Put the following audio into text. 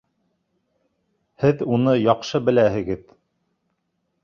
Һеҙ уны яҡшы беләһегеҙ.